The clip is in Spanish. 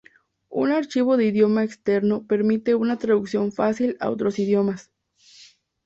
Un archivo de idioma externo permite una traducción fácil a otros idiomas.